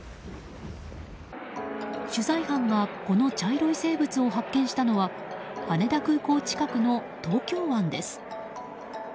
取材班がこの茶色い生物を発見したのは羽田空港近くの東京湾です。